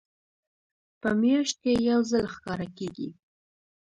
په میاشت کې یو ځل ښکاره کیږي.